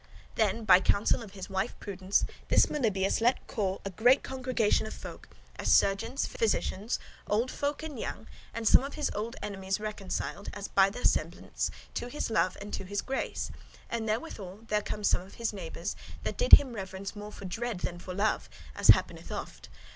'" Then, by counsel of his wife Prudence, this Melibœus let call [sent for] a great congregation of folk, as surgeons, physicians, old folk and young, and some of his old enemies reconciled (as by their semblance) to his love and to his grace; and therewithal there come some of his neighbours, that did him reverence more for dread than for love, as happeneth oft.